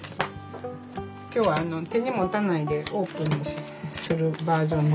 今日は手に持たないでオープンにするバージョンで。